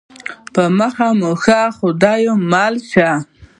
په مخه مو ښه خدای مو مل شه